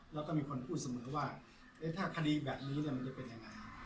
แล้วก็มีคนพูดเสมอว่าถ้าคดีแบบนี้มันจะเป็นยังไง